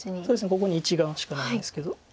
ここに１眼しかないんですけど。